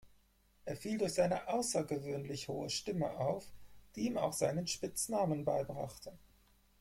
Er fiel durch seine außergewöhnlich hohe Stimme auf, die ihm auch seinen Spitznamen beibrachte.